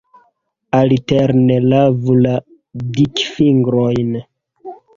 Alterne lavu la dikfingrojn.